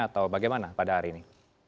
atau bagaimana pada hari ini